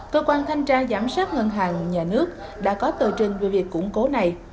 cơ quan thanh tra giám sát ngân hàng nhà nước đã có tờ trình về việc củng cố này